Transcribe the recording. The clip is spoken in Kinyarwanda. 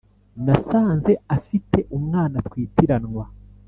nasanze afite umwana twitiranwa